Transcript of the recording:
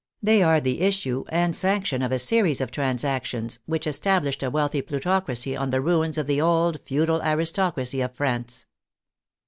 They are the issue and sanction of a series of transactions which established a wealthy plutocracy on the ruins of the old feudal aris tocracy of France.